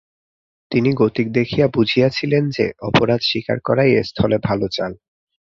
তিনি গতিক দেখিয়া বুঝিয়াছিলেন যে, অপরাধ স্বীকার করাই এ স্থলে ভালো চাল।